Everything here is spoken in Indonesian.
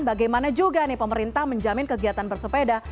bagaimana juga nih pemerintah menjamin kegiatan bersepeda